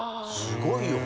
すごいよ。